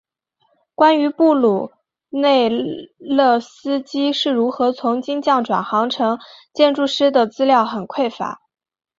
关于布鲁内莱斯基是如何从金匠转行成建筑师的资料很匮乏。